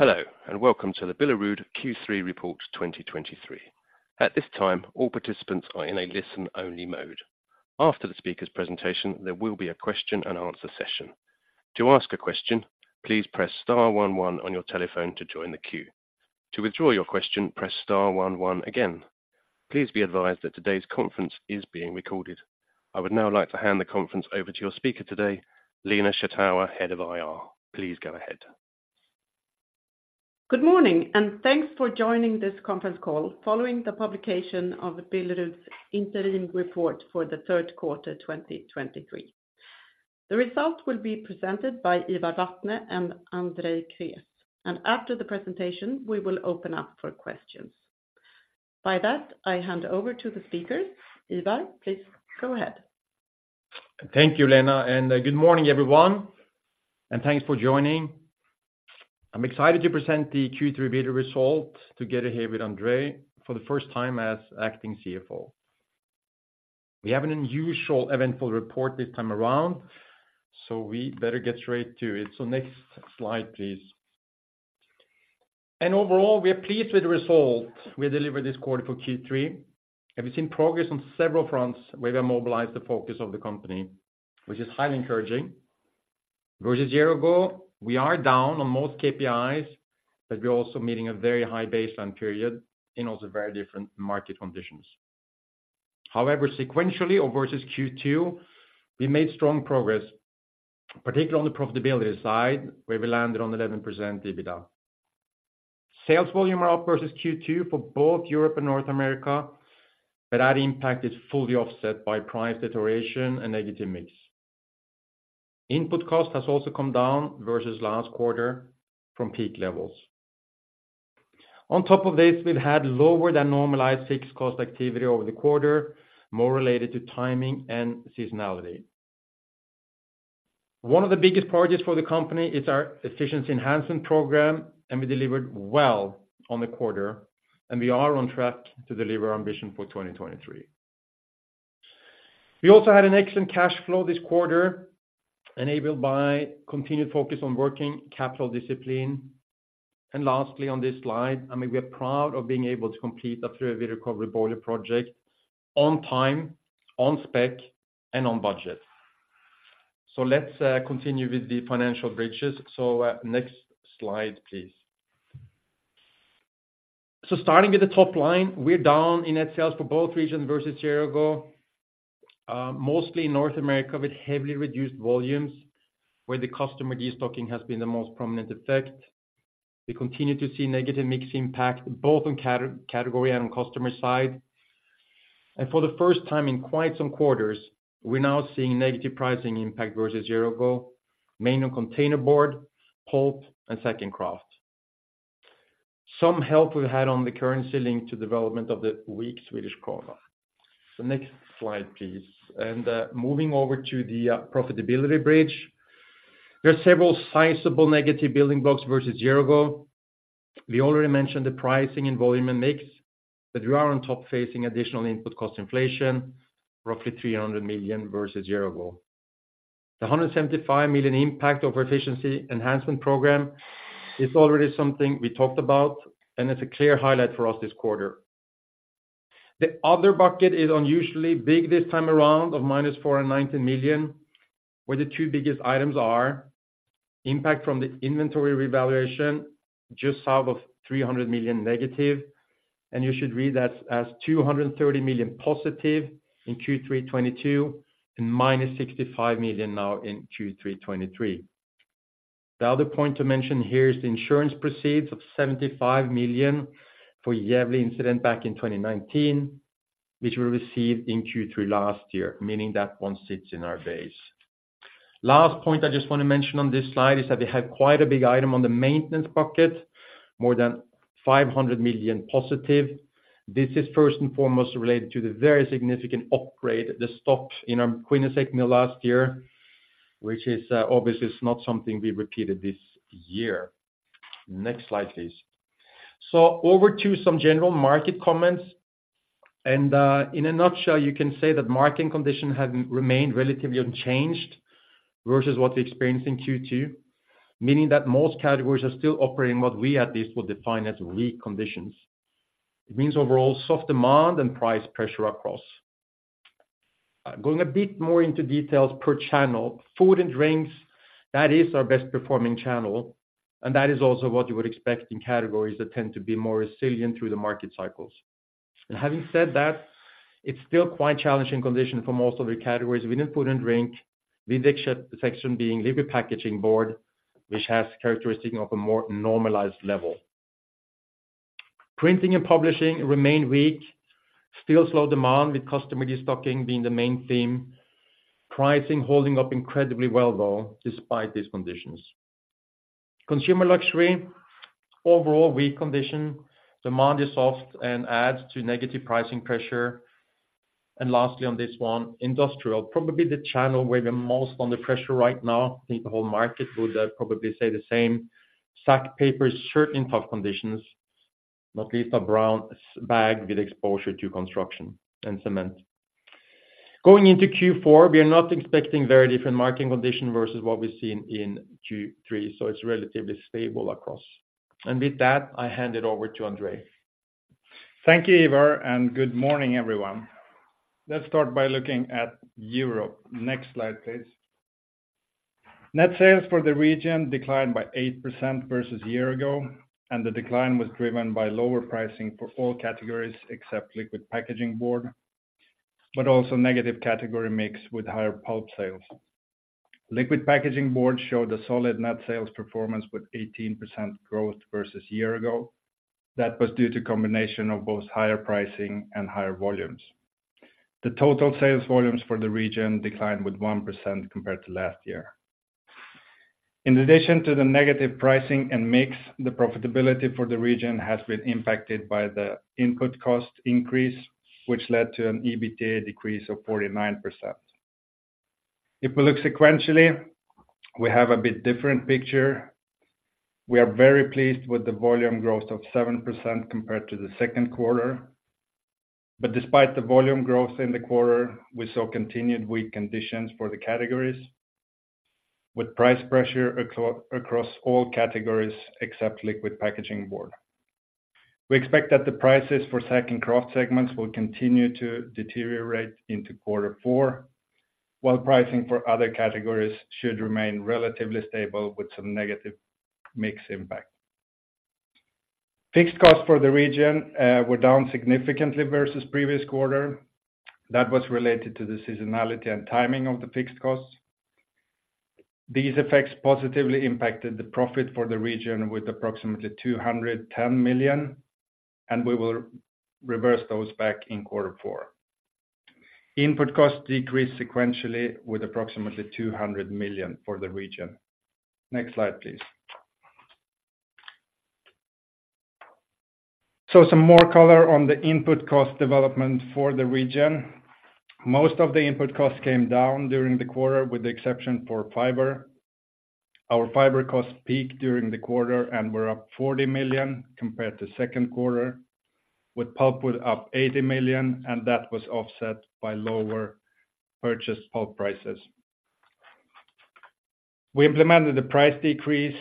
Hello, and welcome to the Billerud Q3 Report 2023. At this time, all participants are in a listen-only mode. After the speaker's presentation, there will be a question and answer session. To ask a question, please press star one one on your telephone to join the queue. To withdraw your question, press star one one again. Please be advised that today's conference is being recorded. I would now like to hand the conference over to your speaker today, Lena Schattauer, Head of IR. Please go ahead. Good morning, and thanks for joining this conference call following the publication of Billerud's interim report for the Q3 2023. The results will be presented by Ivar Vatne and Andrei Krés, and after the presentation, we will open up for questions. By that, I hand over to the speakers. Ivar, please go ahead. Thank you, Lena, and good morning, everyone, and thanks for joining. I'm excited to present the Q3 better result together here with Andrei for the first time as acting CFO. We have an unusually eventful report this time around, so we better get straight to it. Next slide, please. Overall, we are pleased with the result we delivered this quarter for Q3, and we've seen progress on several fronts where we mobilized the focus of the company, which is highly encouraging. Versus a year ago, we are down on most KPIs, but we're also meeting a very high baseline period in also very different market conditions. However, sequentially or versus Q2, we made strong progress, particularly on the profitability side, where we landed on 11% EBITDA. Sales volume are up versus Q2 for both Europe and North America, but that impact is fully offset by price deterioration and negative mix. Input cost has also come down versus last quarter from peak levels. On top of this, we've had lower than normalized fixed cost activity over the quarter, more related to timing and seasonality. One of the biggest projects for the company is our efficiency enhancement program, and we delivered well on the quarter, and we are on track to deliver our ambition for 2023. We also had an excellent cash flow this quarter, enabled by continued focus on working capital discipline. And lastly, on this slide, I mean, we are proud of being able to complete the recovery boiler project on time, on spec, and on budget. So let's continue with the financial bridges. So, next slide, please. So starting with the top line, we're down in net sales for both regions versus year ago, mostly in North America, with heavily reduced volumes, where the customer destocking has been the most prominent effect. We continue to see negative mix impact, both on category and on customer side. And for the first time in quite some quarters, we're now seeing negative pricing impact versus year ago, mainly on containerboard, pulp, and sack kraft. Some help we've had on the currency, linked to the development of the weak Swedish krona. So next slide, please. And, moving over to the profitability bridge, there are several sizable negative building blocks versus year ago. We already mentioned the pricing and volume and mix, but we are on top facing additional input cost inflation, roughly 300 million versus year ago. The 175 million impact of our efficiency enhancement program is already something we talked about, and it's a clear highlight for us this quarter. The other bucket is unusually big this time around, of -490 million, where the two biggest items are impact from the inventory revaluation, just south of 300 million negative, and you should read that as 230 million positive in Q3 2022 and -65 million now in Q3 2023. The other point to mention here is the insurance proceeds of 75 million for the yearly incident back in 2019, which we received in Q3 last year, meaning that one sits in our base. Last point I just want to mention on this slide is that we have quite a big item on the maintenance bucket, more than 500 million positive. This is first and foremost related to the very significant upgrade, the stop in our Quinnesec mill last year, which is obviously not something we repeated this year. Next slide, please. So over to some general market comments, and in a nutshell, you can say that market conditions have remained relatively unchanged versus what we experienced in Q2, meaning that most categories are still operating what we at least would define as weak conditions. It means overall soft demand and price pressure across. Going a bit more into details per channel, food and drinks, that is our best performing channel, and that is also what you would expect in categories that tend to be more resilient through the market cycles. And having said that, it's still quite challenging condition for most of the categories within food and drink, the exception being label packaging board, which has characteristic of a more normalized level. Printing and publishing remain weak, still slow demand, with customer destocking being the main theme. Pricing holding up incredibly well, though, despite these conditions. Consumer luxury, overall weak condition, demand is soft and adds to negative pricing pressure. And lastly, on this one, industrial, probably the channel where we're most under pressure right now. I think the whole market would probably say the same. Sack papers, certainly in tough conditions, not least a brown bag with exposure to construction and cement.... Going into Q4, we are not expecting very different market condition versus what we've seen in Q3, so it's relatively stable across. And with that, I hand it over to Andrei. Thank you, Ivar, and good morning, everyone. Let's start by looking at Europe. Next slide, please. Net sales for the region declined by 8% versus year-ago, and the decline was driven by lower pricing for all categories except liquid packaging board, but also negative category mix with higher pulp sales. Liquid packaging board showed a solid net sales performance with 18% growth versus year-ago. That was due to combination of both higher pricing and higher volumes. The total sales volumes for the region declined with 1% compared to last year. In addition to the negative pricing and mix, the profitability for the region has been impacted by the input cost increase, which led to an EBITDA decrease of 49%. If we look sequentially, we have a bit different picture. We are very pleased with the volume growth of 7% compared to the Q2. But despite the volume growth in the quarter, we saw continued weak conditions for the categories, with price pressure across all categories except liquid packaging board. We expect that the prices for sack and kraft segments will continue to deteriorate into quarter four, while pricing for other categories should remain relatively stable with some negative mix impact. Fixed costs for the region were down significantly versus previous quarter. That was related to the seasonality and timing of the fixed costs. These effects positively impacted the profit for the region with approximately 210 million, and we will reverse those back in quarter four. Input costs decreased sequentially with approximately 200 million for the region. Next slide, please. So some more color on the input cost development for the region. Most of the input costs came down during the quarter, with the exception for fiber. Our fiber costs peaked during the quarter and were up 40 million compared to Q2, with pulpwood up 80 million, and that was offset by lower purchased pulp prices. We implemented the price decrease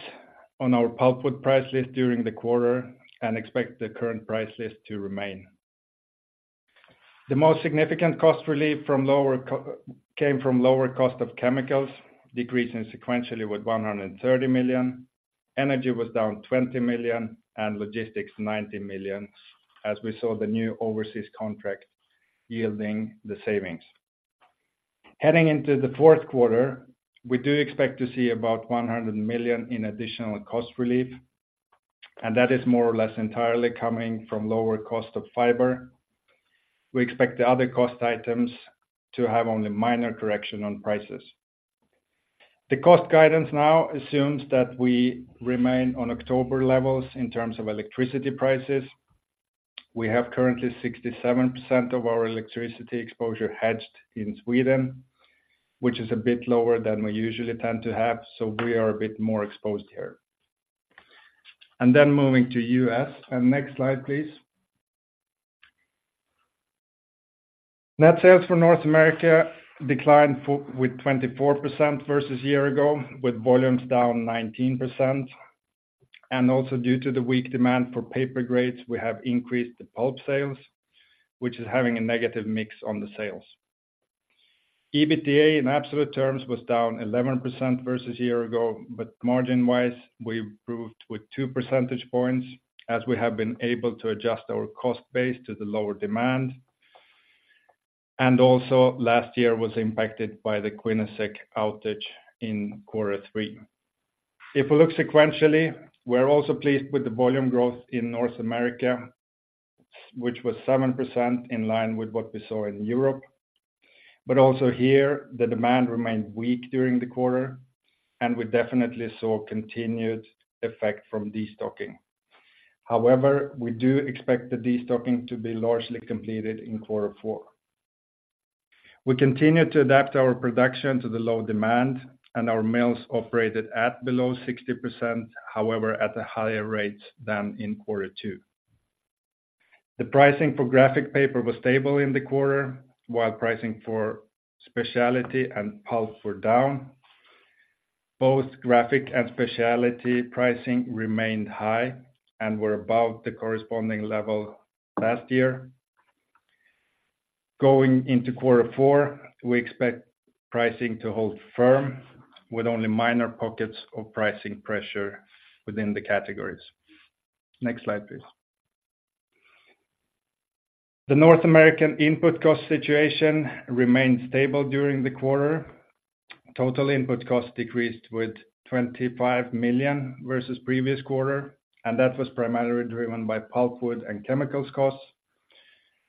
on our pulpwood price list during the quarter and expect the current price list to remain. The most significant cost relief from lower costs came from lower cost of chemicals, decreasing sequentially with 130 million. Energy was down 20 million, and logistics, 90 million, as we saw the new overseas contract yielding the savings. Heading into the Q4, we do expect to see about 100 million in additional cost relief, and that is more or less entirely coming from lower cost of fiber. We expect the other cost items to have only minor correction on prices. The cost guidance now assumes that we remain on October levels in terms of electricity prices. We have currently 67% of our electricity exposure hedged in Sweden, which is a bit lower than we usually tend to have, so we are a bit more exposed here. And then moving to U.S. And next slide, please. Net sales for North America declined with 24% versus year-ago, with volumes down 19%. And also due to the weak demand for paper grades, we have increased the pulp sales, which is having a negative mix on the sales. EBITDA, in absolute terms, was down 11% versus year-ago, but margin-wise, we improved with 2 percentage points, as we have been able to adjust our cost base to the lower demand. Also, last year was impacted by the Quinnesec outage in quarter three. If we look sequentially, we're also pleased with the volume growth in North America, which was 7% in line with what we saw in Europe. But also here, the demand remained weak during the quarter, and we definitely saw continued effect from destocking. However, we do expect the destocking to be largely completed in quarter four. We continue to adapt our production to the low demand, and our mills operated at below 60%, however, at a higher rate than in quarter two. The pricing for graphic paper was stable in the quarter, while pricing for specialty and pulp were down. Both graphic and specialty pricing remained high and were above the corresponding level last year. Going into quarter four, we expect pricing to hold firm with only minor pockets of pricing pressure within the categories. Next slide, please. The North American input cost situation remained stable during the quarter. Total input costs decreased with 25 million versus previous quarter, and that was primarily driven by pulpwood and chemicals costs.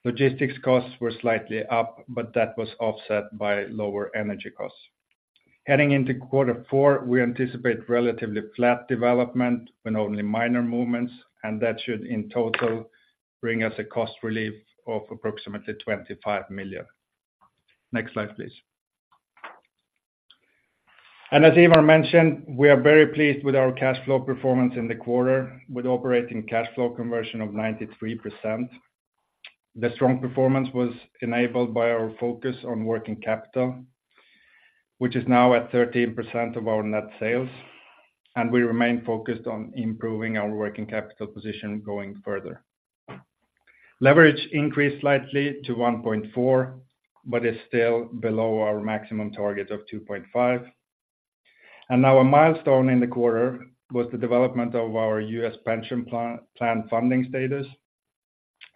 Logistics costs were slightly up, but that was offset by lower energy costs. Heading into quarter four, we anticipate relatively flat development with only minor movements, and that should, in total, bring us a cost relief of approximately 25 million. Next slide, please. And as Ivar mentioned, we are very pleased with our cash flow performance in the quarter, with operating cash flow conversion of 93%. The strong performance was enabled by our focus on working capital, which is now at 13% of our net sales, and we remain focused on improving our working capital position going further. Leverage increased slightly to 1.4, but is still below our maximum target of 2.5. Now, a milestone in the quarter was the development of our US pension plan funding status.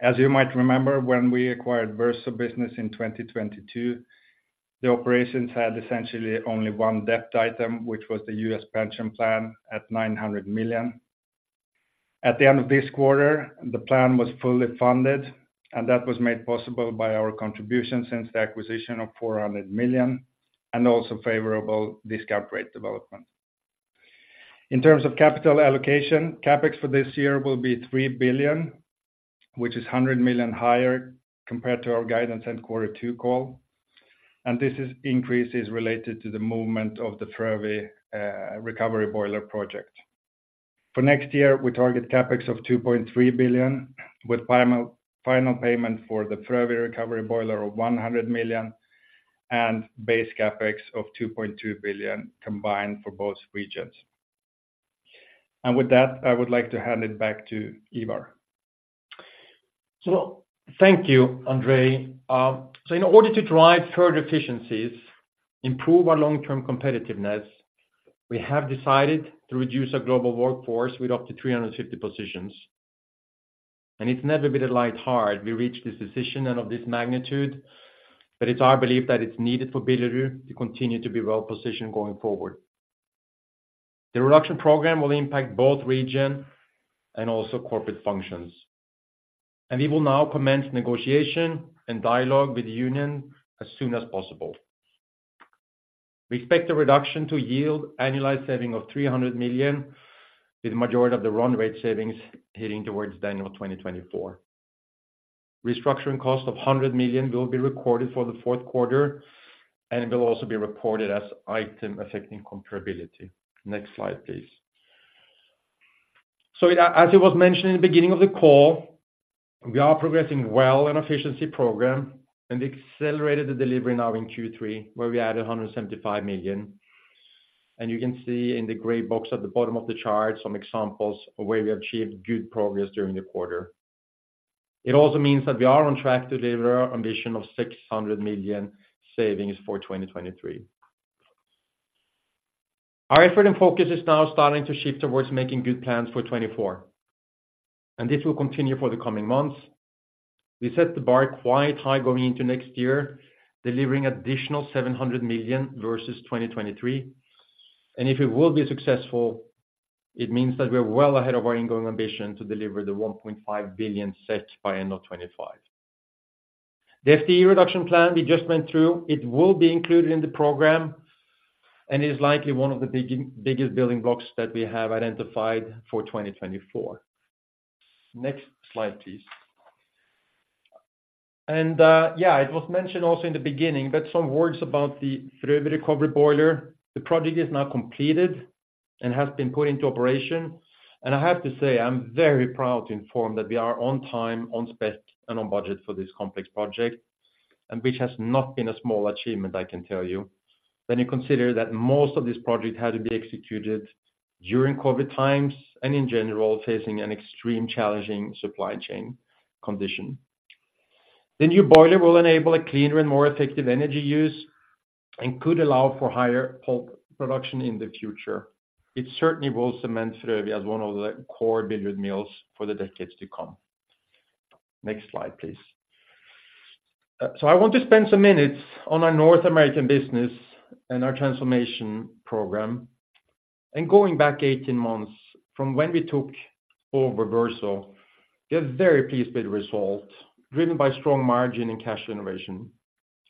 As you might remember, when we acquired Verso in 2022, the operations had essentially only one debt item, which was the US pension plan at $900 million. At the end of this quarter, the plan was fully funded, and that was made possible by our contribution since the acquisition of $400 million, and also favorable discount rate development. In terms of capital allocation, CapEx for this year will be 3 billion, which is 100 million higher compared to our guidance and Q2 call, and this increase is related to the movement of the Frövi recovery boiler project. For next year, we target CapEx of 2.3 billion, with final, final payment for the Frövi recovery boiler of 1 million, and base CapEx of 2.2 billion combined for both regions. And with that, I would like to hand it back to Ivar. Thank you, Andrei. So in order to drive further efficiencies, improve our long-term competitiveness, we have decided to reduce our global workforce with up to 350 positions. And it's never been a lighthearted. We reached this decision and of this magnitude, but it's our belief that it's needed for Billerud to continue to be well positioned going forward. The reduction program will impact both region and also corporate functions, and we will now commence negotiation and dialogue with the union as soon as possible. We expect the reduction to yield annualized saving of 3 million, with the majority of the run rate savings heading towards the end of 2024. Restructuring cost of 100 million will be recorded for the Q4, and it will also be reported as item affecting comparability. Next slide, please. As it was mentioned in the beginning of the call, we are progressing well in efficiency program and accelerated the delivery now in Q3, where we added 175 million. You can see in the gray box at the bottom of the chart, some examples of where we have achieved good progress during the quarter. It also means that we are on track to deliver our ambition of 600 million savings for 2023. Our effort and focus is now starting to shift towards making good plans for 2024, and this will continue for the coming months. We set the bar quite high going into next year, delivering additional 700 million versus 2023. If it will be successful, it means that we're well ahead of our ongoing ambition to deliver the 1.5 billion set by end of 2025. The FTE reduction plan we just went through, it will be included in the program, and is likely one of the biggest building blocks that we have identified for 2024. Next slide, please. Yeah, it was mentioned also in the beginning, but some words about the Frövi recovery boiler. The project is now completed and has been put into operation. I have to say, I'm very proud to inform that we are on time, on spec, and on budget for this complex project, which has not been a small achievement, I can tell you, when you consider that most of this project had to be executed during COVID times, and in general, facing an extreme challenging supply chain condition. The new boiler will enable a cleaner and more effective energy use, and could allow for higher pulp production in the future. It certainly will cement Frövi as one of the core Billerud mills for the decades to come. Next slide, please. So I want to spend some minutes on our North American business and our transformation program. And going back 18 months from when we took over Verso, we are very pleased with the result, driven by strong margin and cash innovation,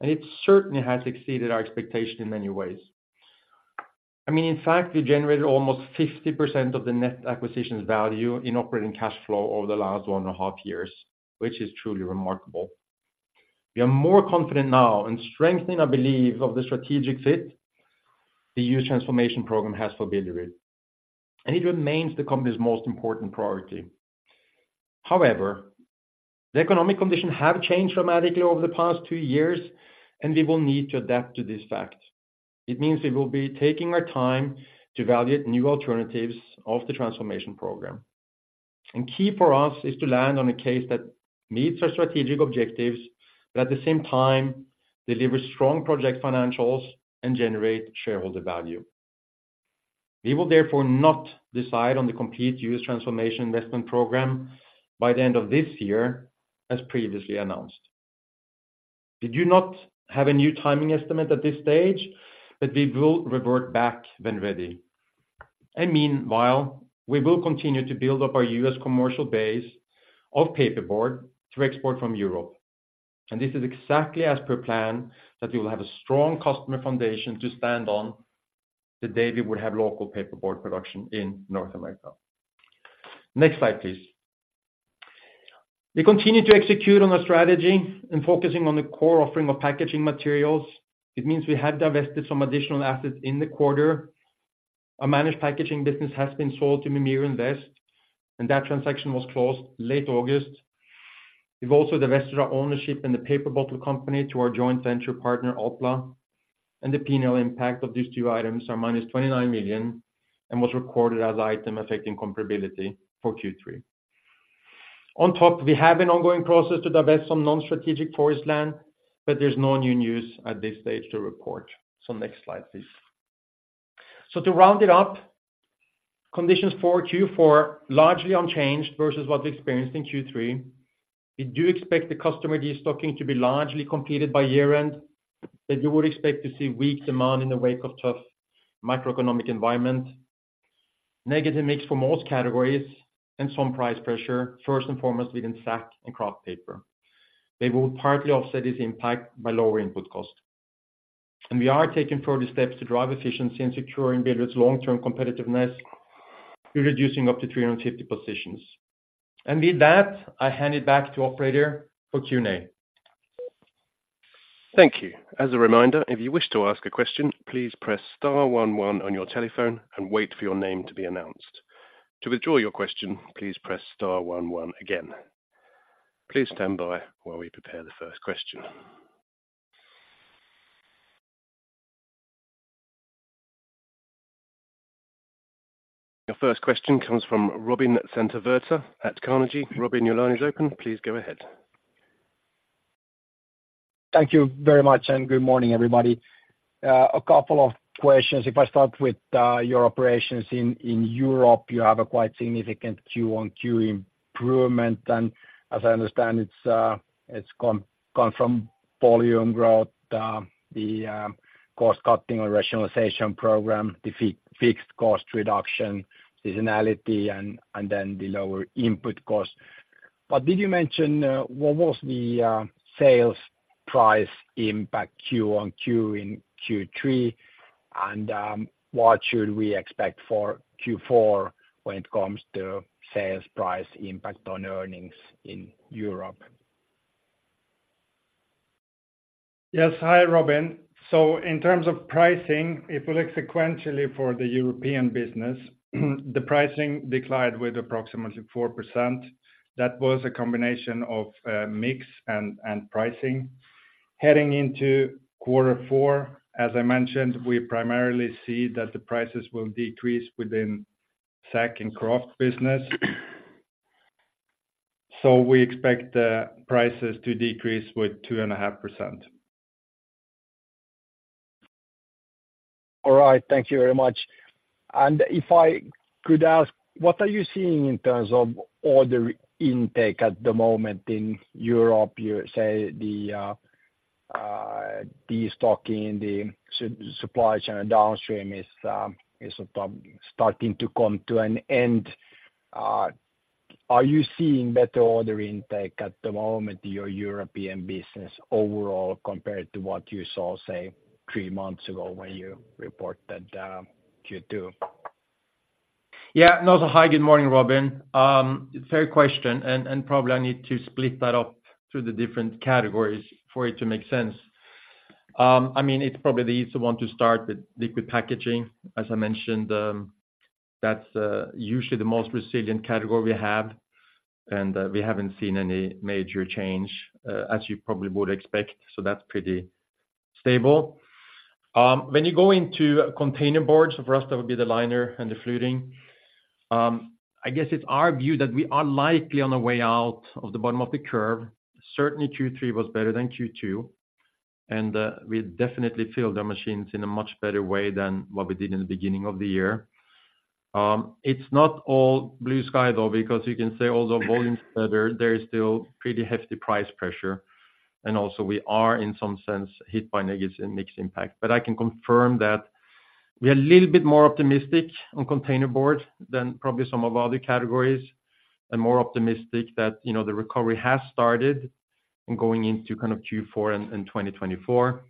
and it certainly has exceeded our expectation in many ways. I mean, in fact, we generated almost 50% of the net acquisitions value in operating cash flow over the last 1.5 years, which is truly remarkable. We are more confident now and strengthening, I believe, of the strategic fit the US transformation program has for Billerud, and it remains the company's most important priority. However, the economic conditions have changed dramatically over the past 2 years, and we will need to adapt to this fact. It means we will be taking our time to evaluate new alternatives of the transformation program. And key for us, is to land on a case that meets our strategic objectives, but at the same time, delivers strong project financials and generate shareholder value. We will therefore not decide on the complete U.S. transformation investment program by the end of this year, as previously announced. We do not have a new timing estimate at this stage, but we will revert back when ready. And meanwhile, we will continue to build up our U.S. commercial base of paperboard to export from Europe, and this is exactly as per plan, that we will have a strong customer foundation to stand on the day we would have local paperboard production in North America. Next slide, please. We continue to execute on our strategy and focusing on the core offering of packaging materials. It means we have divested some additional assets in the quarter. Our managed packaging business has been sold to Mimir Invest, and that transaction was closed late August. We've also divested our ownership in the paper bottle company to our joint venture partner, ALPLA, and the P&L impact of these two items are -29 million and was recorded as item affecting comparability for Q3. On top, we have an ongoing process to divest some non-strategic forest land, but there's no new news at this stage to report. Next slide, please. To round it up, conditions for Q4 are largely unchanged versus what we experienced in Q3. We do expect the customer destocking to be largely completed by year-end. That you would expect to see weak demand in the wake of tough macroeconomic environment, negative mix for most categories and some price pressure, first and foremost, within sack and kraft paper. They will partly offset this impact by lower input cost. We are taking further steps to drive efficiency and secure Billerud's long-term competitiveness. We're reducing up to 350 positions. With that, I hand it back to operator for Q&A. Thank you. As a reminder, if you wish to ask a question, please press star one one on your telephone and wait for your name to be announced. To withdraw your question, please press star one one again. Please stand by while we prepare the first question. Your first question comes from Robin Santavirta at Carnegie. Robin, your line is open. Please go ahead. Thank you very much, and good morning, everybody. A couple of questions. If I start with your operations in Europe, you have a quite significant Q-on-Q improvement, and as I understand, it's come from volume growth, the cost cutting or rationalization program, the fixed cost reduction, seasonality, and then the lower input cost. But did you mention what was the sales price impact Q-on-Q in Q3? And what should we expect for Q4 when it comes to sales price impact on earnings in Europe? Hi, Robin. So in terms of pricing, if you look sequentially for the European business, the pricing declined with approximately 4%. That was a combination of mix and pricing. Heading into quarter four, as I mentioned, we primarily see that the prices will decrease within sack and kraft business. So we expect the prices to decrease with 2.5%. All right. Thank you very much. And if I could ask, what are you seeing in terms of order intake at the moment in Europe? You say the destocking, the supply chain and downstream is starting to come to an end. Are you seeing better order intake at the moment, your European business overall, compared to what you saw, say, three months ago when you reported Q2? Hi, good morning, Robin. Fair question, and probably I need to split that up through the different categories for it to make sense. I mean, it's probably the easiest one to start with liquid packaging. As I mentioned, that's usually the most resilient category we have, and we haven't seen any major change as you probably would expect, so that's pretty stable. When you go into containerboard, for us, that would be the liner and the fluting. I guess it's our view that we are likely on the way out of the bottom of the curve. Certainly, Q3 was better than Q2, and we definitely fill the machines in a much better way than what we did in the beginning of the year. It's not all blue sky, though, because you can say although volume is better, there is still pretty hefty price pressure, and also we are, in some sense, hit by negative mix impact. But I can confirm that we are a little bit more optimistic on containerboard than probably some of our other categories, and more optimistic that, you know, the recovery has started in going into kind of Q4 and 2024.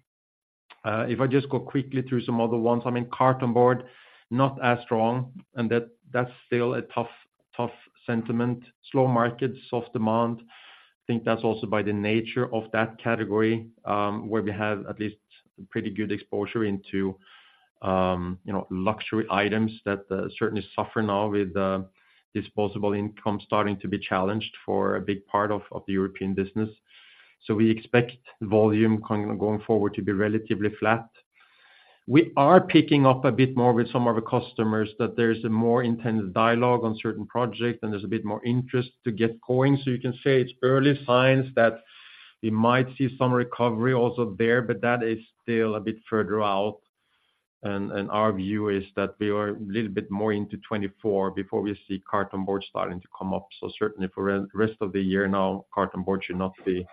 If I just go quickly through some other ones, I mean, cartonboard, not as strong, and that's still a tough, tough sentiment. Slow market, soft demand. I think that's also by the nature of that category, where we have at least pretty good exposure into, you know, luxury items that certainly suffer now with disposable income starting to be challenged for a big part of the European business. So we expect volume kind of going forward to be relatively flat. We are picking up a bit more with some of the customers, that there's a more intense dialogue on certain projects, and there's a bit more interest to get going. So you can say it's early signs that we might see some recovery also there, but that is still a bit further out. And our view is that we are a little bit more into 2024 before we see cartonboard starting to come up. Certainly for rest of the year now, cartonboard should not be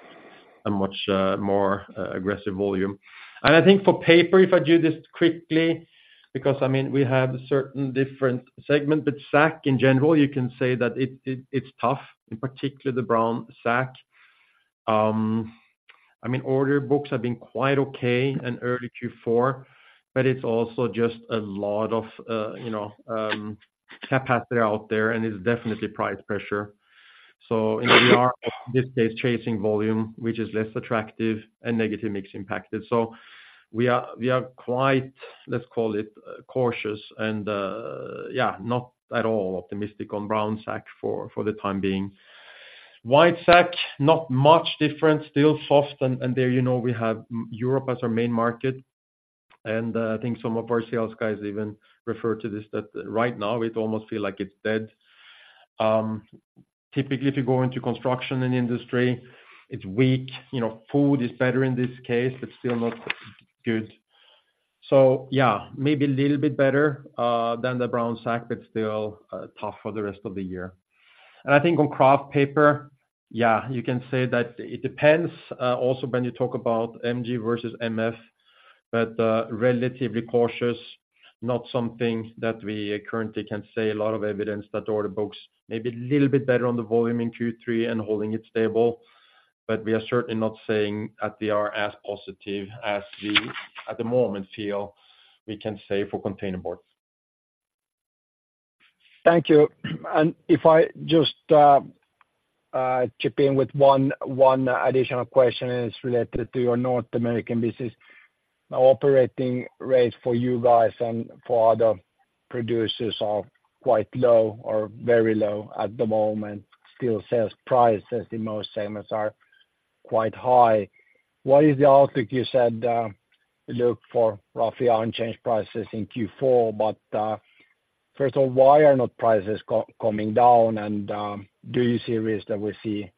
a much more aggressive volume. And I think for paper, if I do this quickly, because, I mean, we have certain different segment, but sack, in general, you can say that it, it, it's tough, in particular the brown sack. I mean, order books have been quite okay in early Q4, but it's also just a lot of, you know, capacity out there, and it's definitely price pressure. So and we are, in this case, chasing volume, which is less attractive and negative mix impacted. So we are, we are quite, let's call it, cautious, and, yeah, not at all optimistic on brown sack for, for the time being. White sack, not much different, still soft, and, and there, you know, we have Europe as our main market, and, I think some of our sales guys even refer to this, that right now it almost feel like it's dead. Typically, if you go into construction and industry, it's weak. You know, food is better in this case, but still not good. So yeah, maybe a little bit better than the brown sack, but still, tough for the rest of the year. I think on kraft paper, yeah, you can say that it depends, also when you talk about MG versus MF, but relatively cautious, not something that we currently can say a lot of evidence that order books may be a little bit better on the volume in Q3 and holding it stable, but we are certainly not saying that they are as positive as we, at the moment, feel we can say for containerboard. Thank you. And if I just chip in with one additional question, and it's related to your North American business. Operating rates for you guys and for other producers are quite low or very low at the moment. Still, sales prices, the most sales are quite high. What is the outlook? You said, look for roughly unchanged prices in Q4, but, first of all, why are not prices coming down, and, do you see a risk that we'll see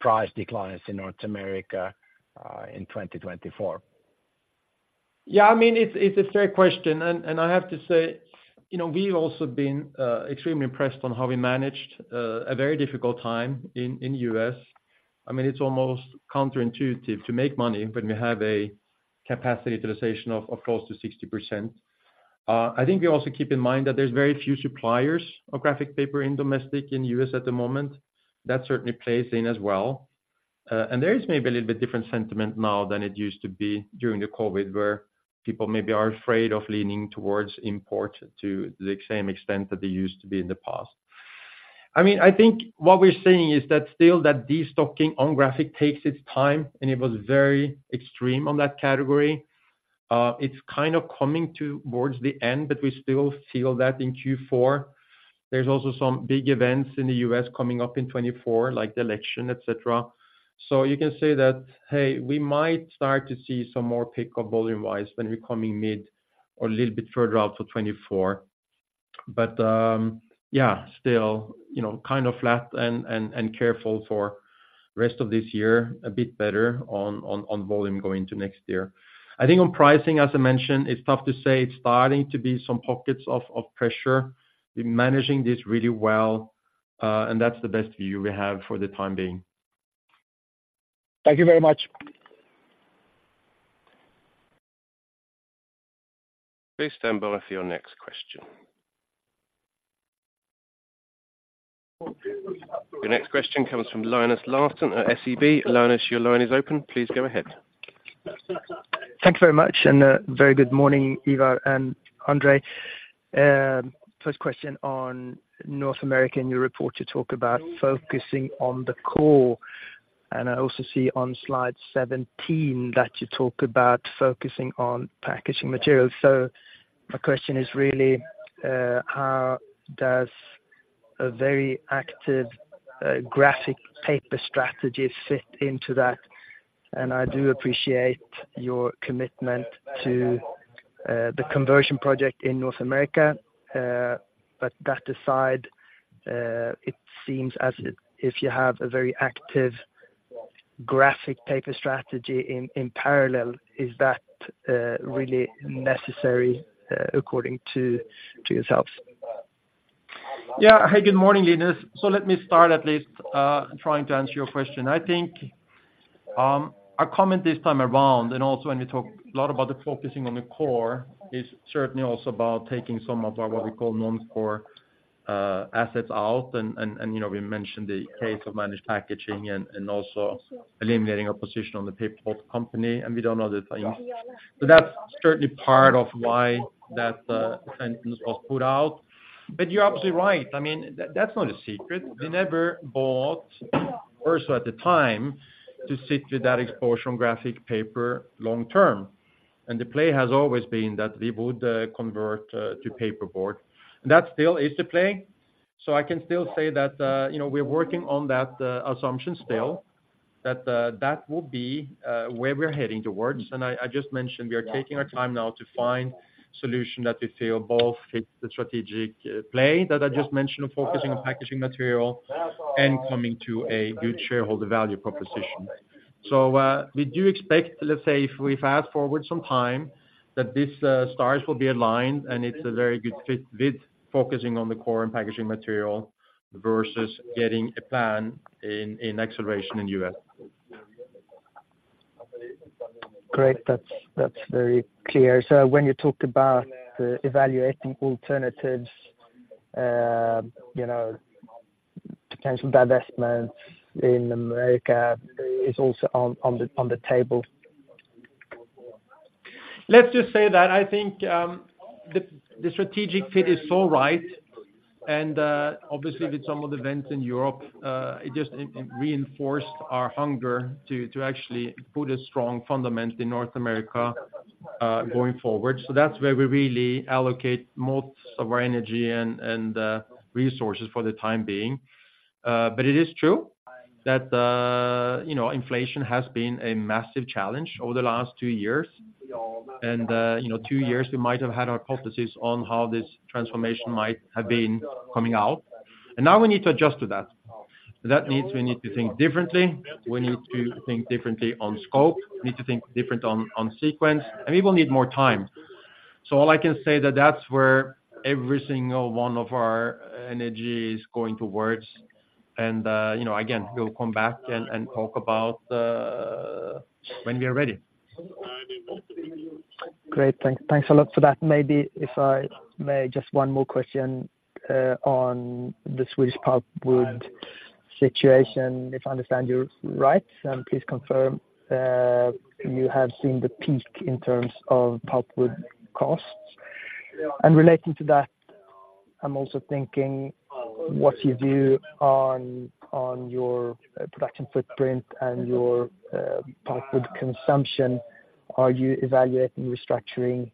price declines in North America, in 2024? I mean, it's a fair question, and I have to say, you know, we've also been extremely impressed on how we managed a very difficult time in the U.S. I mean, it's almost counterintuitive to make money when we have a capacity utilization of close to 60%. I think we also keep in mind that there's very few suppliers of graphic paper in domestic in U.S. at the moment. That certainly plays in as well. And there is maybe a little bit different sentiment now than it used to be during the COVID, where people maybe are afraid of leaning towards import to the same extent that they used to be in the past. I mean, I think what we're seeing is that still that destocking on graphic takes its time, and it was very extreme on that category. It's kind of coming towards the end, but we still feel that in Q4. There's also some big events in the U.S. coming up in 2024, like the election, et cetera. So you can say that, hey, we might start to see some more pick up volume-wise when we're coming mid or a little bit further out to 2024. But, yeah, still, you know, kind of flat and careful for rest of this year, a bit better on volume going to next year. I think on pricing, as I mentioned, it's tough to say. It's starting to be some pockets of pressure. We're managing this really well, and that's the best view we have for the time being. Thank you very much. Please stand by for your next question. The next question comes from Linus Larsson at SEB. Linus, your line is open. Please go ahead. Thank you very much, and very good morning, Ivar and Andrei. First question on North America. In your report, you talk about focusing on the core, and I also see on slide 17 that you talk about focusing on packaging materials. So my question is really, how does a very active graphic paper strategy fit into that? And I do appreciate your commitment to the conversion project in North America, but that aside, it seems as if you have a very active graphic paper strategy in parallel, is that really necessary according to yourselves? Hi, good morning, Linus. So let me start at least, trying to answer your question. I think, our comment this time around, and also when we talk a lot about the focusing on the core, is certainly also about taking some of our, what we call non-core, assets out. And, you know, we mentioned the case of managed packaging and also eliminating our position on the paperboard company, and we don't know the time. So that's certainly part of why that, sentence was put out. But you're obviously right. I mean, that, that's not a secret. We never bought, also at the time, to stick to that exposure on graphic paper long term, and the play has always been that we would, convert, to paperboard. And that still is the play, so I can still say that, you know, we're working on that assumption still, that that will be where we're heading towards. And I just mentioned we are taking our time now to find solution that we feel both fit the strategic play that I just mentioned, of focusing on packaging material and coming to a good shareholder value proposition. So we do expect, let's say, if we fast forward some time, that this stars will be aligned, and it's a very good fit with focusing on the core and packaging material versus getting a plan in acceleration in U.S.... Great, that's, that's very clear. So when you talk about the evaluating alternatives, you know, potential divestments in America is also on the table? Let's just say that I think, the strategic fit is so right and, obviously with some of the events in Europe, it just re-reinforced our hunger to, actually put a strong fundament in North America, going forward. So that's where we really allocate most of our energy and resources for the time being. But it is true that, you know, inflation has been a massive challenge over the last 2 years. And, you know, 2 years we might have had hypothesis on how this transformation might have been coming out, and now we need to adjust to that. That means we need to think differently. We need to think differently on scope, we need to think different on sequence, and we will need more time. All I can say that that's where every single one of our energy is going towards, and you know, again, we'll come back and talk about when we are ready. Great, thanks. Thanks a lot for that. Maybe if I may, just one more question on the Swedish pulpwood situation. If I understand you right, and please confirm, you have seen the peak in terms of pulpwood costs. And relating to that, I'm also thinking what's your view on your production footprint and your pulpwood consumption. Are you evaluating restructuring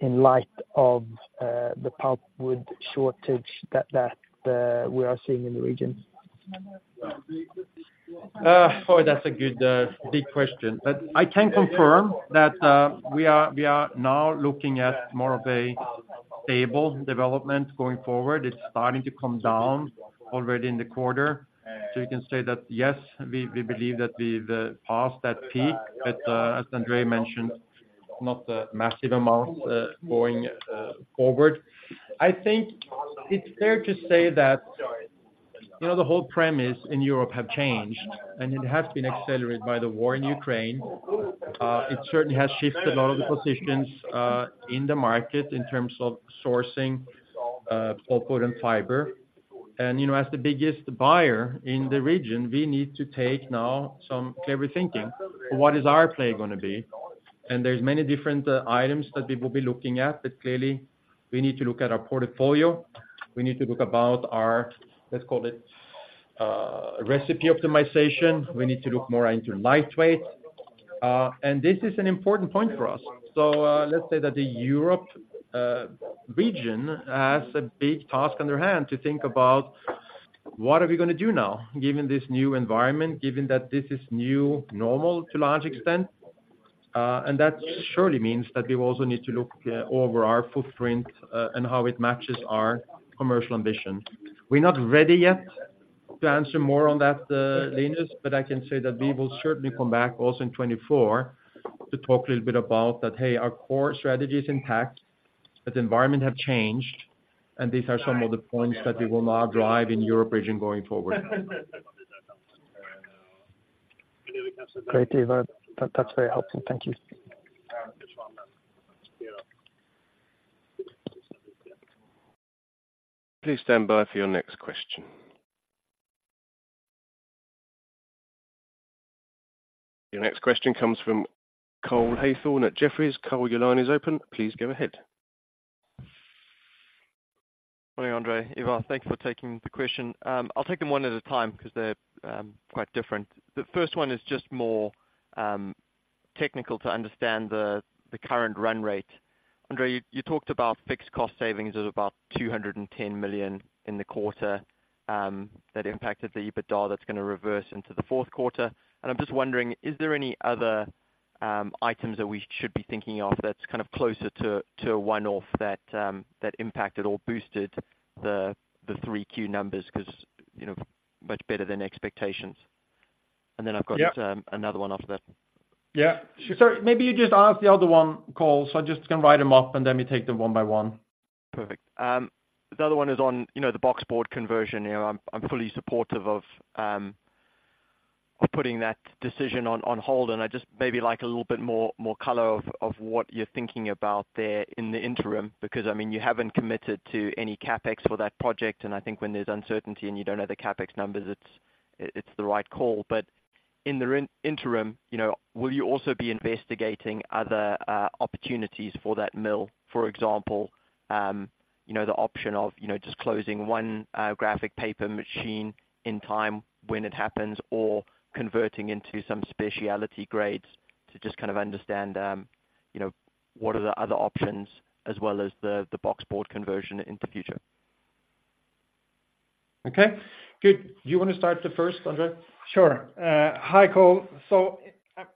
in light of the pulpwood shortage that we are seeing in the region? Boy, that's a good big question. But I can confirm that we are now looking at more of a stable development going forward. It's starting to come down already in the quarter. So you can say that, yes, we believe that the past that peak, but as Andrei mentioned, not a massive amount going forward. I think it's fair to say that, you know, the whole premise in Europe have changed, and it has been accelerated by the war in Ukraine. It certainly has shifted a lot of the positions in the market in terms of sourcing pulpwood and fiber. And, you know, as the biggest buyer in the region, we need to take now some clever thinking. What is our play gonna be? There's many different items that we will be looking at, but clearly we need to look at our portfolio. We need to look about our, let's call it, recipe optimization. We need to look more into lightweight. And this is an important point for us. So, let's say that the Europe region has a big task on their hand to think about: What are we gonna do now, given this new environment, given that this is new normal to a large extent? And that surely means that we also need to look over our footprint and how it matches our commercial ambition. We're not ready yet to answer more on that, Linus, but I can say that we will certainly come back also in 2024 to talk a little bit about that. Hey, our core strategy is intact, but the environment have changed, and these are some of the points that we will now drive in Europe region going forward. Great, Ivar. That, that's very helpful. Thank you. Please stand by for your next question. Your next question comes from Cole Hathorn at Jefferies. Cole, your line is open. Please go ahead. Morning, Andrei, Ivar. Thank you for taking the question. I'll take them one at a time because they're quite different. The first one is just more technical to understand the current run rate. Andrei, you talked about fixed cost savings of about 210 million in the quarter that impacted the EBITDA, that's gonna reverse into the Q4. And I'm just wondering, is there any other items that we should be thinking of that's kind of closer to a one-off that impacted or boosted the 3Q numbers? Because, you know, much better than expectations. And then I've got- Yeah. another one after that. Sure. Maybe you just ask the other one, Cole, so I just can write them up and let me take them one by one. Perfect. The other one is on, you know, the boxboard conversion. You know, I'm fully supportive of putting that decision on hold, and I'd just maybe like a little bit more color of what you're thinking about there in the interim. Because, I mean, you haven't committed to any CapEx for that project, and I think when there's uncertainty and you don't know the CapEx numbers, it's the right call. But in the interim, you know, will you also be investigating other opportunities for that mill? For example, you know, the option of just closing one graphic paper machine in time when it happens or converting into some specialty grades to just kind of understand, you know, what are the other options as well as the boxboard conversion in the future. Okay, good. You want to start the first, Andrei? Sure. Hi, Cole. So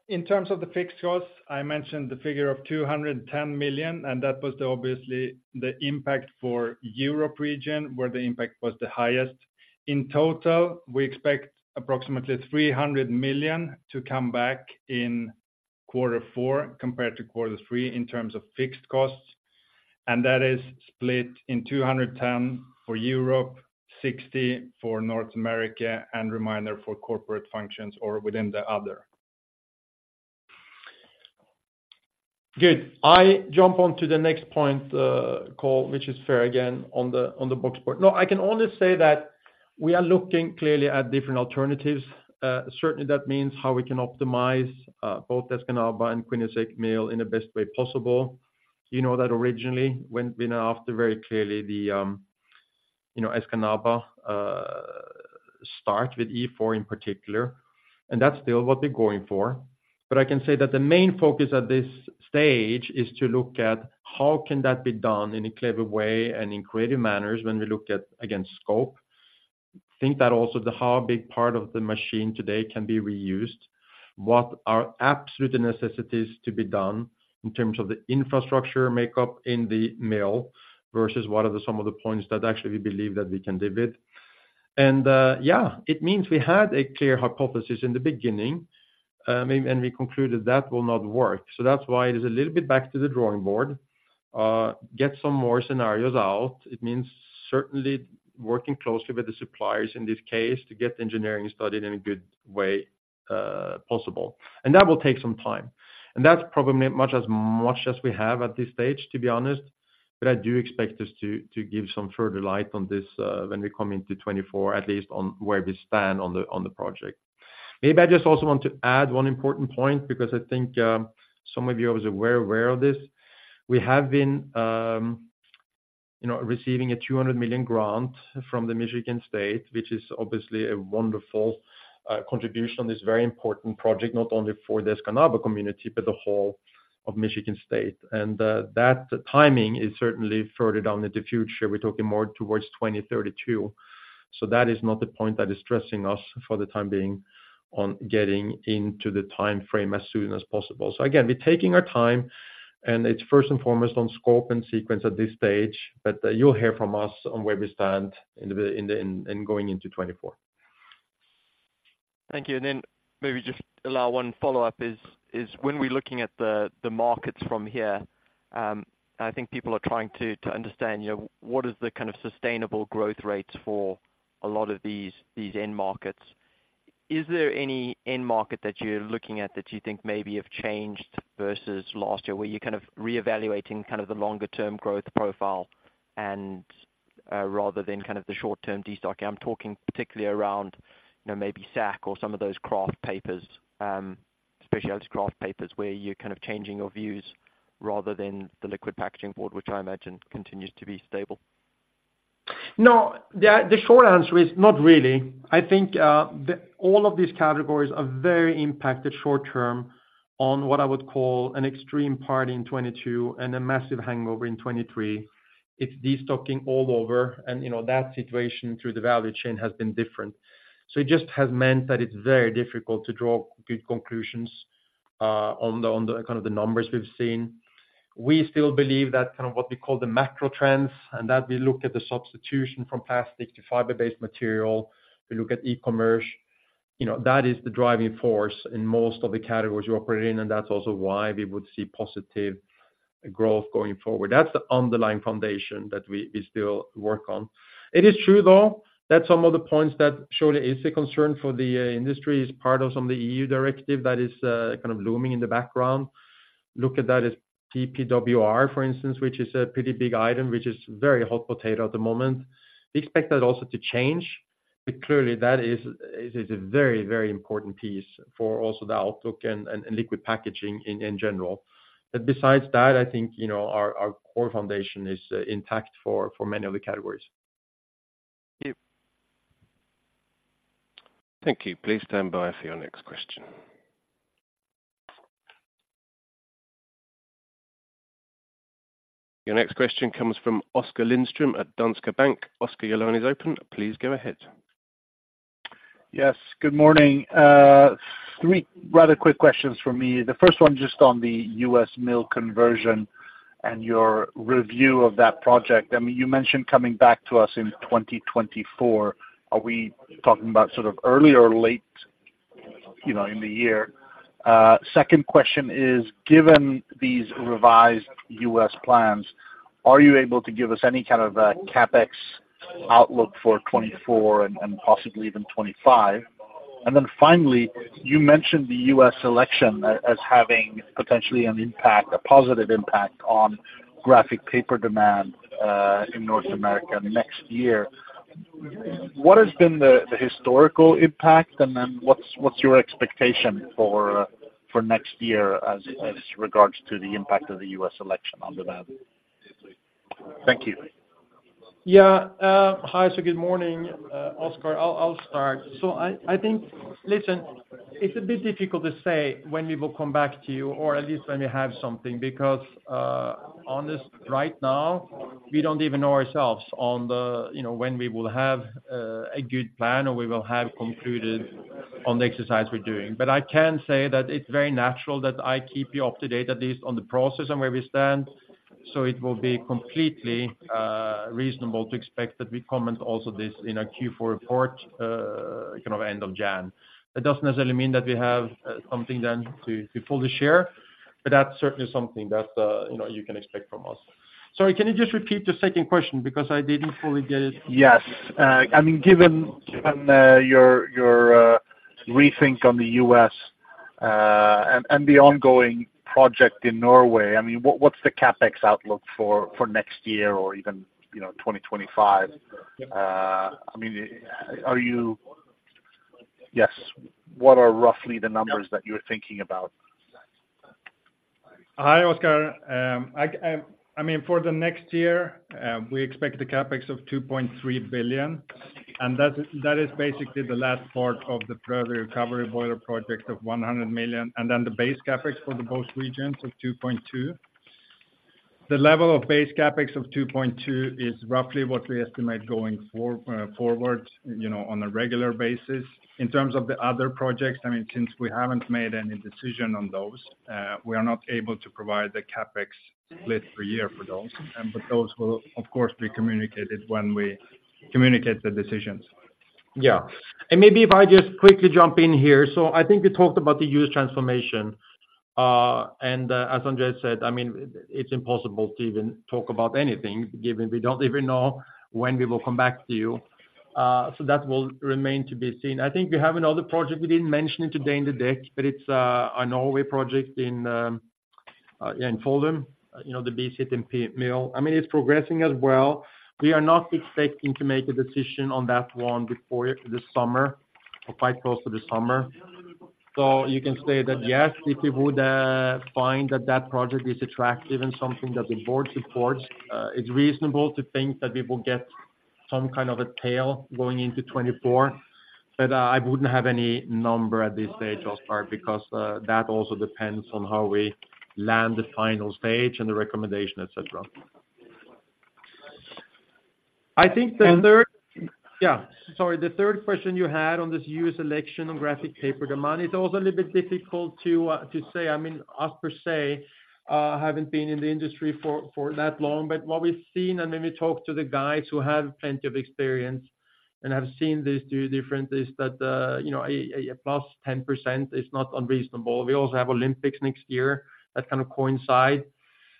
in terms of the fixed costs, I mentioned the figure of 210 million, and that was obviously the impact for Europe region, where the impact was the highest. In total, we expect approximately 300 million to come back in-... quarter four compared to quarter three in terms of fixed costs, and that is split in 210 for Europe, 60 for North America, and remainder for corporate functions or within the other. Good. I jump on to the next point, call, which is fair again, on the, on the box part. No, I can only say that we are looking clearly at different alternatives. Certainly, that means how we can optimize, both Escanaba and Quinnesec mill in the best way possible. You know that originally, when we announced very clearly the, you know, Escanaba, start with E4 in particular, and that's still what we're going for. But I can say that the main focus at this stage is to look at how can that be done in a clever way and in creative manners when we look at, again, scope. Think that also the how big part of the machine today can be reused, what are absolute necessities to be done in terms of the infrastructure makeup in the mill, versus what are the some of the points that actually we believe that we can divide. Yeah, it means we had a clear hypothesis in the beginning, and we concluded that will not work. So that's why it is a little bit back to the drawing board, get some more scenarios out. It means certainly working closely with the suppliers, in this case, to get the engineering studied in a good way, possible. And that will take some time, and that's probably much, as much as we have at this stage, to be honest, but I do expect us to, to give some further light on this, when we come into 2024, at least on where we stand on the, on the project. Maybe I just also want to add one important point, because I think, some of you are very aware of this. We have been, you know, receiving a $200 million grant from the Michigan State, which is obviously a wonderful, contribution on this very important project, not only for the Escanaba community, but the whole of Michigan State. And, that timing is certainly further down in the future. We're talking more towards 2032. That is not the point that is stressing us for the time being on getting into the timeframe as soon as possible. So again, we're taking our time, and it's first and foremost on scope and sequence at this stage, but you'll hear from us on where we stand in going into 2024. Thank you. And then maybe just allow one follow-up, when we're looking at the markets from here, I think people are trying to understand, you know, what is the kind of sustainable growth rates for a lot of these end markets. Is there any end market that you're looking at that you think maybe have changed versus last year, where you're kind of reevaluating kind of the longer term growth profile and, rather than kind of the short term destocking? I'm talking particularly around, you know, maybe sack or some of those kraft papers, specialist kraft papers, where you're kind of changing your views rather than the liquid packaging board, which I imagine continues to be stable. No, the short answer is not really. I think all of these categories are very impacted short term on what I would call an extreme party in 2022 and a massive hangover in 2023. It's destocking all over, and, you know, that situation through the value chain has been different. So it just has meant that it's very difficult to draw good conclusions on kind of the numbers we've seen. We still believe that kind of what we call the macro trends, and that we look at the substitution from plastic to fiber-based material. We look at e-commerce, you know, that is the driving force in most of the categories we operate in, and that's also why we would see positive growth going forward. That's the underlying foundation that we still work on. It is true, though, that some of the points that surely is a concern for the industry is part of some of the EU directive that is kind of looming in the background. Look at that as PPWR, for instance, which is a pretty big item, which is very hot potato at the moment. We expect that also to change, but clearly that is, it is a very, very important piece for also the outlook and, and liquid packaging in, in general. But besides that, I think, you know, our, our core foundation is intact for, for many of the categories. Thank you. Thank you. Please stand by for your next question. Your next question comes from Oskar Lindström at Danske Bank. Oskar, your line is open. Please go ahead. Good morning. Three rather quick questions from me. The first one, just on the US mill conversion and your review of that project. I mean, you mentioned coming back to us in 2024. Are we talking about sort of early or late, you know, in the year? Second question is, given these revised US plans, are you able to give us any kind of CapEx outlook for 2024 and possibly even 2025? And then finally, you mentioned the US election as having potentially an impact, a positive impact on graphic paper demand in North America next year. What has been the historical impact, and then what's your expectation for next year as regards to the impact of the US election on demand? Thank you. Hi, so good morning, Oskar. I'll start. So I think... Listen, it's a bit difficult to say when we will come back to you, or at least when we have something, because, on this right now, we don't even know ourselves on the, you know, when we will have, a good plan or we will have concluded on the exercise we're doing. But I can say that it's very natural that I keep you up to date, at least on the process and where we stand.... So it will be completely, reasonable to expect that we comment also this in our Q4 report, kind of end of January. That doesn't necessarily mean that we have, something then to fully share, but that's certainly something that, you know, you can expect from us. Sorry, can you just repeat the second question? Because I didn't fully get it. I mean, given your rethink on the U.S., and the ongoing project in Norway, I mean, what's the CapEx outlook for next year or even, you know, 2025? I mean, are you— Yes, what are roughly the numbers that you're thinking about? Hi, Oscar. I mean, for the next year, we expect the CapEx of 2.3 billion, and that is basically the last part of the recovery boiler project of 100 million, and then the base CapEx for the both regions of 2.2 billion. The level of base CapEx of 2.2 billion is roughly what we estimate going forward, you know, on a regular basis. In terms of the other projects, I mean, since we haven't made any decision on those, we are not able to provide the CapEx split per year for those. But those will, of course, be communicated when we communicate the decisions. Yeah, and maybe if I just quickly jump in here. I think we talked about the US transformation, and, as Andre said, I mean, it's impossible to even talk about anything, given we don't even know when we will come back to you. So that will remain to be seen. I think we have another project we didn't mention today in the deck, but it's a Norway project in, yeah, in Follum, you know, the BCTMP mill. I mean, it's progressing as well. We are not expecting to make a decision on that one before this summer, or quite close to the summer. So you can say that, yes, if we would find that that project is attractive and something that the board supports, it's reasonable to think that we will get some kind of a tail going into 2024. But, I wouldn't have any number at this stage, Oskar, because, that also depends on how we land the final stage and the recommendation, et cetera. I think the third- yeah, sorry. The third question you had on this U.S. election on graphic paper demand, it's also a little bit difficult to, to say. I mean, us, per se, haven't been in the industry for, for that long, but what we've seen, and when we talk to the guys who have plenty of experience and have seen these two different, is that, you know, a, a, a +10% is not unreasonable. We also have Olympics next year. That kind of coincide,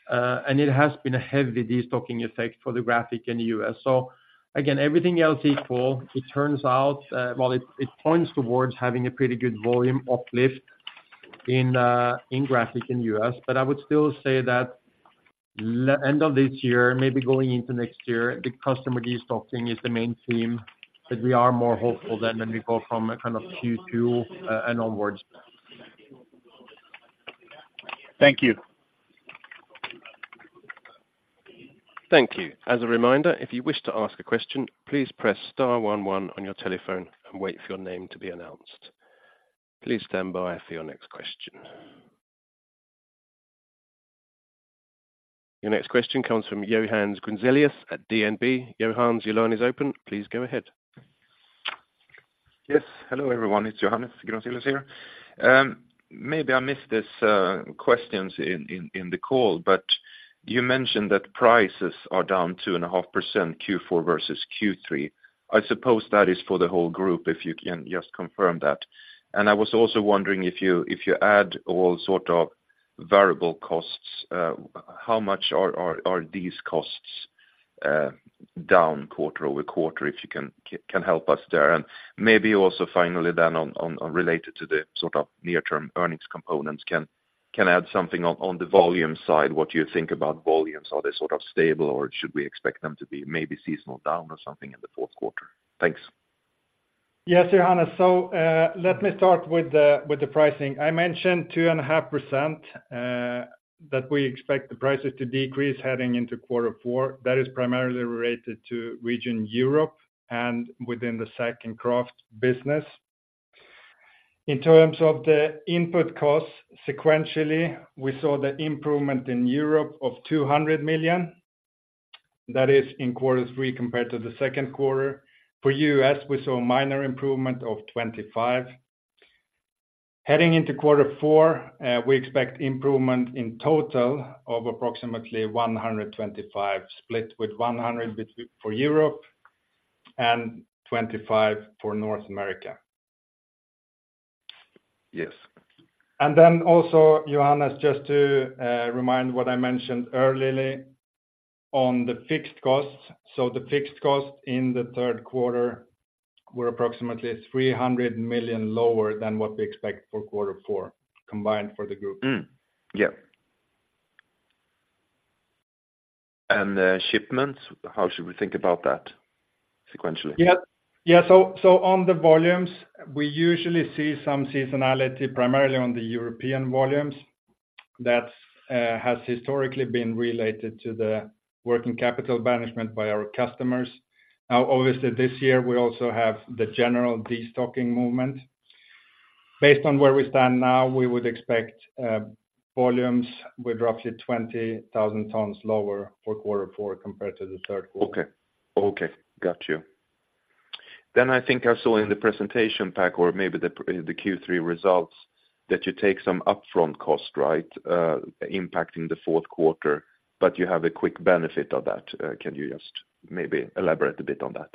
and it has been a heavy destocking effect for the graphic in the U.S. Again, everything else equal, it turns out, points towards having a pretty good volume uplift in graphic in U.S. But I would still say that the end of this year, maybe going into next year, the customer destocking is the main theme, but we are more hopeful than when we go from a kind of Q2 and onwards. Thank you. Thank you. As a reminder, if you wish to ask a question, please press star one one on your telephone and wait for your name to be announced. Please stand by for your next question. Your next question comes from Johannes Grunselius at DNB. Johannes, your line is open. Please go ahead. Hello, everyone, it's Johannes Grunselius here. Maybe I missed this questions in, in, in the call, but you mentioned that prices are down 2.5%, Q4 versus Q3. I suppose that is for the whole group, if you can just confirm that. And I was also wondering if you, if you add all sort of variable costs, how much are, are, are these costs down quarter over quarter? If you can help us there. And maybe also finally then on, on, on related to the sort of near-term earnings components, can add something on, on the volume side, what you think about volumes? Are they sort of stable, or should we expect them to be maybe seasonal down or something in the Q4? Thanks. Johannes. So, let me start with the pricing. I mentioned 2.5%, that we expect the prices to decrease heading into quarter four. That is primarily related to region Europe and within the sack and kraft business. In terms of the input costs, sequentially, we saw the improvement in Europe of 200 million. That is in quarter three compared to the Q2. For US, we saw a minor improvement of 25. Heading into quarter four, we expect improvement in total of approximately 125, split, with 100 for Europe and 25 for North America. Yes. And then also, Johannes, just to remind what I mentioned earlier on the fixed costs. So the fixed costs in the Q3 were approximately 300 million lower than what we expect for quarter four, combined for the group. Mm. Yeah. Shipments, how should we think about that sequentially? On the volumes, we usually see some seasonality, primarily on the European volumes. That has historically been related to the working capital management by our customers. Now, obviously, this year, we also have the general destocking movement. Based on where we stand now, we would expect volumes with roughly 20,000 tons lower for quarter four compared to the Q3 Okay. Got you.... Then I think I saw in the presentation pack or maybe the Q3 results, that you take some upfront cost, right? Impacting the Q3, but you have a quick benefit of that. Can you just maybe elaborate a bit on that?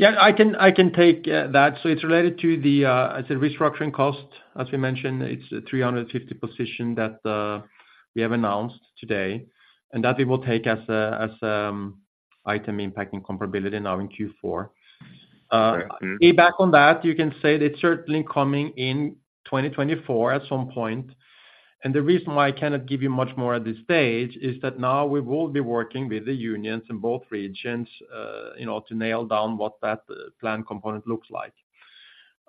I can take that. So it's related to the, it's a restructuring cost. As we mentioned, it's a 350 position that we have announced today, and that it will take as a, as, item impacting comparability now in Q4. Feedback on that, you can say it's certainly coming in 2024 at some point. And the reason why I cannot give you much more at this stage is that now we will be working with the unions in both regions, you know, to nail down what that plan component looks like.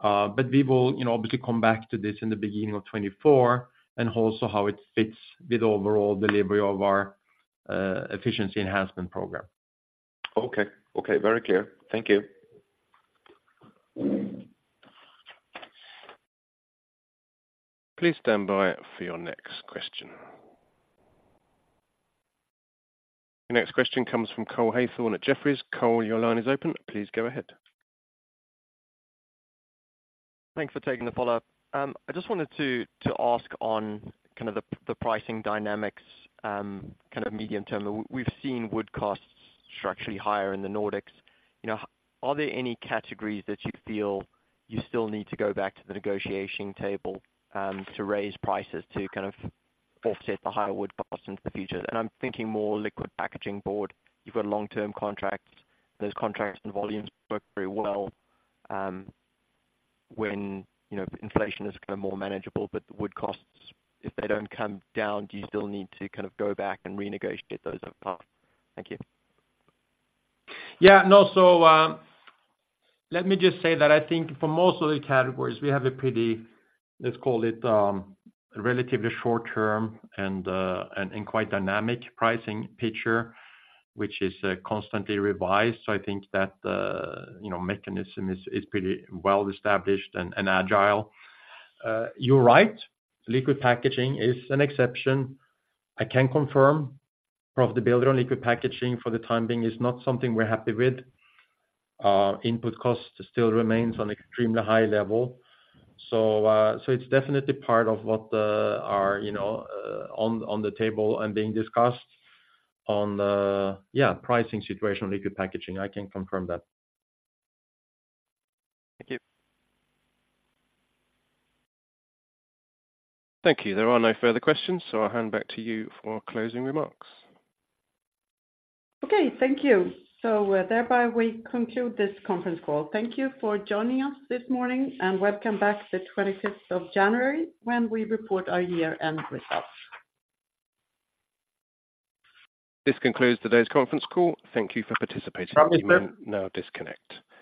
But we will, you know, obviously come back to this in the beginning of 2024, and also how it fits with overall delivery of our efficiency enhancement program. Okay, very clear. Thank you. Please stand by for your next question. The next question comes from Cole Hathorn at Jefferies. Cole, your line is open. Please go ahead. Thanks for taking the follow-up. I just wanted to ask on kind of the pricing dynamics, kind of medium term. We've seen wood costs structurally higher in the Nordics. You know, are there any categories that you feel you still need to go back to the negotiation table to raise prices to kind of offset the higher wood costs in the future? And I'm thinking more liquid packaging board. You've got long-term contracts. Those contracts and volumes work very well when, you know, inflation is kind of more manageable, but the wood costs, if they don't come down, do you still need to kind of go back and renegotiate those apart? Thank you. Let me just say that I think for most of the categories, we have a pretty, let's call it, relatively short term and, and quite dynamic pricing picture, which is, constantly revised. So I think that the, you know, mechanism is, pretty well established and, agile. You're right, liquid packaging is an exception. I can confirm profitability on liquid packaging for the time being is not something we're happy with. Input costs still remains on extremely high level. So, so it's definitely part of what, are, you know, on, on the table and being discussed on the... Yeah, pricing situation on liquid packaging, I can confirm that. Thank you. Thank you. There are no further questions, so I'll hand back to you for closing remarks. Okay, thank you. So, thereby we conclude this conference call. Thank you for joining us this morning, and welcome back the twenty-fifth of January, when we report our year-end results. This concludes today's conference call. Thank you for participating. You may now disconnect. Speakers-